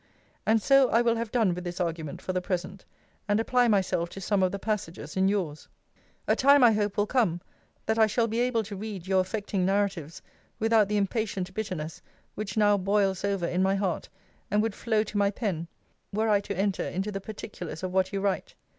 And so I will have done with this argument for the present; and apply myself to some of the passages in yours. A time, I hope, will come, that I shall be able to read your affecting narratives without the impatient bitterness which now boils over in my heart, and would flow to my pen, were I to enter into the particulars of what you write.